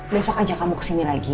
besok ajak kamu ke sini lagi ya